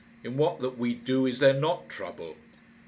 In what that we do is there not trouble?"